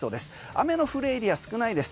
雨の降るエリア少ないです。